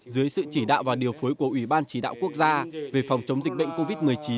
dưới sự chỉ đạo và điều phối của ủy ban chỉ đạo quốc gia về phòng chống dịch bệnh covid một mươi chín